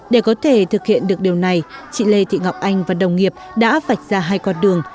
để có thể thực hiện được điều này chị lê thị ngọc anh và đồng nghiệp đã vạch ra hai con đường